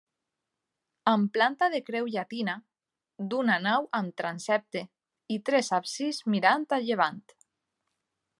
Amb planta de creu llatina –d'una nau amb transsepte- i tres absis mirant a llevant.